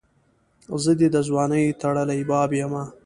زه دي دځوانۍ ټړلي باب یمه